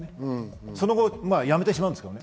その後、やめてしまうんですけどね。